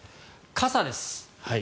傘です。